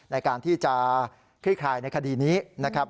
ในการที่จะคลี่คลายในคดีนี้นะครับ